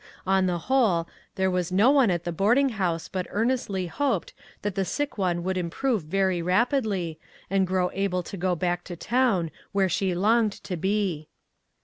On the whole, there was no one at the boarding house but earnestly hoped that the sick one would improve very rapidly and grow able to go back to town, where she longed to be.